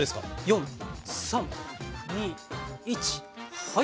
４３２１はい。